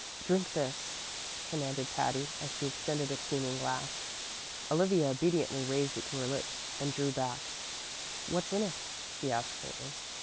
"Drink this," commanded Patty, as she extended a steaming glass. Olivia obediently raised it to her lips, and drew back. "What's in it?" she asked faintly.